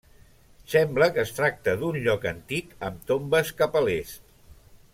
Sembla que es tracta d'un lloc antic, amb tombes cap a l'est.